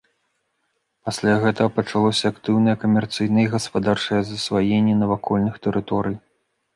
Пасля гэтага пачалося актыўнае камерцыйнае і гаспадарчае засваенне навакольных тэрыторый.